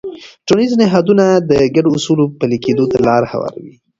ټولنیز نهادونه د ګډو اصولو پلي کېدو ته لاره هواروي.